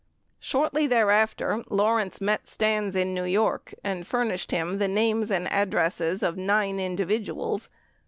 Shortly thereafter, Lawrence met Stans in New York and furnished him the names and addresses of nine individuals.